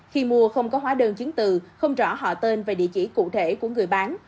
khi mua không có hóa đơn chứng từ không rõ họ tên và địa chỉ cụ thể của người bán